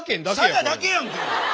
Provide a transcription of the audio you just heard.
佐賀県だけやんけ！